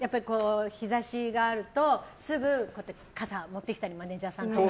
日差しがあるとすぐ傘持ってきたりマネジャーさんが。